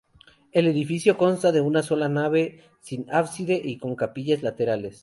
El edificio consta de una sola nave sin ábside y con capillas laterales.